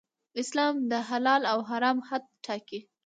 اسلام د حلال او حرام حد ټاکي.